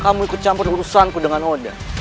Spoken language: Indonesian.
kamu ikut campur urusanku dengan oda